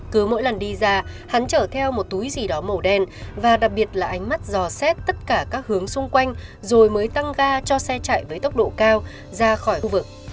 cứ mỗi lần đi ra hắn chở theo một túi gì đó màu đen và đặc biệt là ánh mắt dò xét tất cả các hướng xung quanh rồi mới tăng ga cho xe chạy với tốc độ cao ra khỏi khu vực